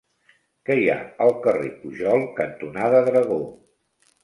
Què hi ha al carrer Pujol cantonada Dragó?